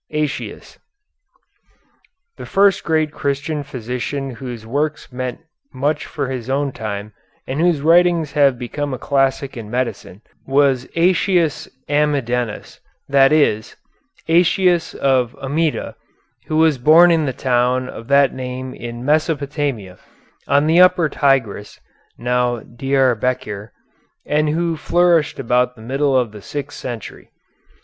AËTIUS The first great Christian physician whose works meant much for his own time, and whose writings have become a classic in medicine, was Aëtius Amidenus, that is, Aëtius of Amida, who was born in the town of that name in Mesopotamia, on the upper Tigris (now Diarbekir), and who flourished about the middle of the sixth century.